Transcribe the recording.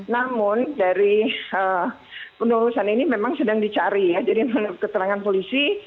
namun dari penelurusan ini memang sedang dicari ya jadi menurut keterangan polisi